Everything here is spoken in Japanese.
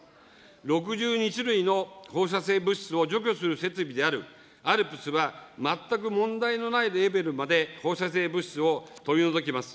６２種類の放射性物質を除去する設備であるＡＬＰＳは、全く問題のないレベルまで放射性物質を取り除きます。